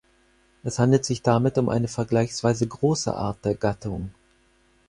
Es handelt sich damit um eine vergleichsweise große Art der Gattung.